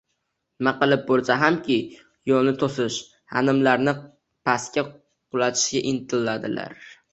nima qilib bo’lsa hamki, yo’lni to’sish, g’animlarini pastga qulatishga intiladilar.